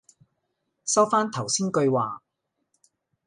收返頭先句話